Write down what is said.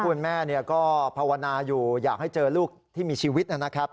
คุณแม่ก็ภาวนาอยู่อยากให้เจอลูกที่มีชีวิตนะครับ